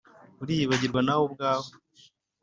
uriyibagirwa nawe ubwawe